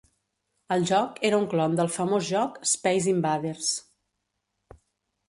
El joc era un clon del famós joc "Space Invaders".